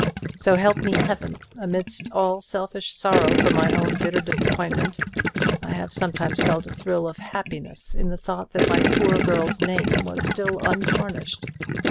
So help me Heaven, amidst all selfish sorrow for my own most bitter disappointment, I have sometimes felt a thrill of happiness in the thought that my poor girl's name was still untarnished.